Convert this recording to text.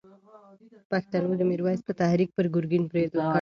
پښتنو د میرویس په تحریک پر ګرګین برید وکړ.